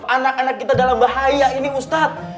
anak anak kita dalam bahaya ini ustadz